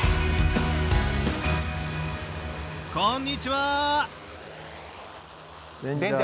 こんにちは。